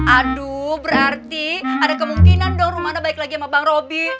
aduh berarti ada kemungkinan dong rumana baik lagi sama bang robby